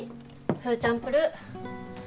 フーチャンプルー。